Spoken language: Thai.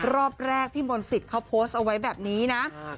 รอบแรกพี่มนติศเขาโพสเอาไว้แบบนี้นะ